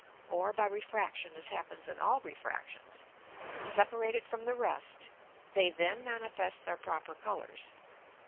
or by Refraction as happens in all Refractions) separated from the rest, they then manifest their proper Colours.